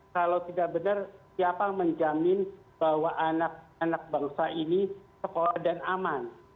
kalau tidak benar siapa yang menjamin bahwa anak anak bangsa ini sekolah dan aman